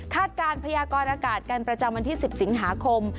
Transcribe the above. การพยากรอากาศกันประจำวันที่๑๐สิงหาคม